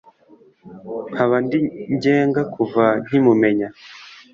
nkaba ndi ngenga kuva nkikumenya.